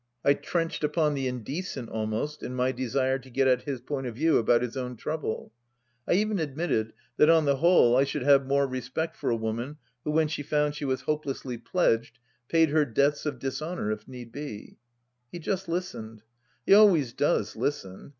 I trenched upon the indecent almost, in my desire to get at his point of view about his own trouble. I even admitted that on the whole I should have more respect for a woman who, when she found she was hopelessly pledged, paid her debts — of dishonour — ^if need be. He just listened. He always does listen.